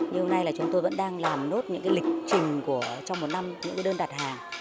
nhưng hôm nay là chúng tôi vẫn đang làm nốt những lịch trình trong một năm những đơn đặt hàng